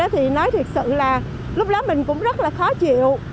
thì nói thật sự là lúc đó mình cũng rất là khó chịu